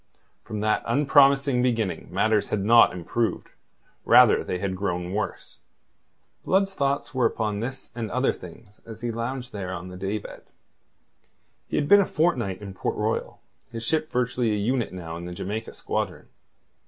From that unpromising beginning matters had not improved; rather had they grown worse. Blood's thoughts were upon this and other things as he lounged there on the day bed. He had been a fortnight in Port Royal, his ship virtually a unit now in the Jamaica squadron.